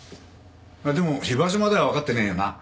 でも居場所まではわかってねえよな？